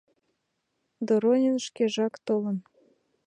— Доронин шкежак толын.